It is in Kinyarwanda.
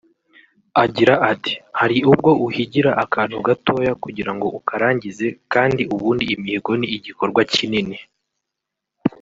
Agira ati “Hari ubwo uhigira akantu gatoya kugira ngo ukarangize kandi ubundi imihigo ni igikorwa kinini